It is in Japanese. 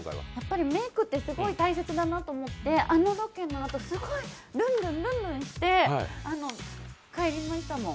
メークってすごく大切だなって思ってあのロケの後、ルンルンルンルンして帰りましたもん。